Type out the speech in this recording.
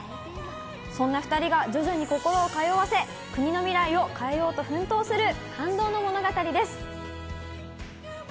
そんな２人が徐々に心を通わせ、国の未来を変えようと奮闘する感動の物語です。